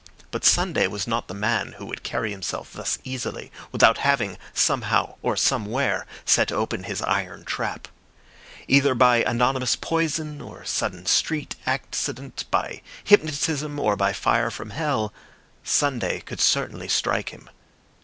But Sunday was not the man who would carry himself thus easily without having, somehow or somewhere, set open his iron trap. Either by anonymous poison or sudden street accident, by hypnotism or by fire from hell, Sunday could certainly strike him.